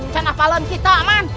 senapalem kita aman